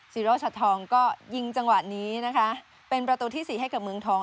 ศิโรชัดทองก็ยิงจังหวะนี้นะคะเป็นประตูที่สี่ให้กับเมืองทอง